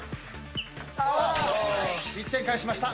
１点返しました。